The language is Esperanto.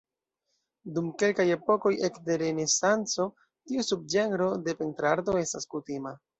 Dum kelkaj epokoj ekde Renesanco tiu subĝenro de pentrarto estas kutima.